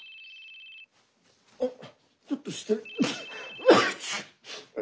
おっちょっと失礼。